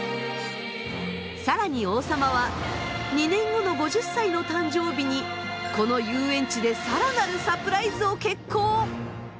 更に王様は２年後の５０歳の誕生日にこの遊園地で更なるサプライズを決行！